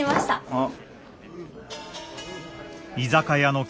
あっ。